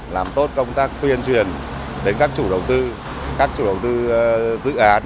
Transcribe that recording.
làm tốt công tác tuyên truyền đến các chủ đầu tư các chủ đầu tư dự án